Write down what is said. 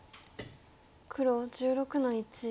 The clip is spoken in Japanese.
黒１６の一。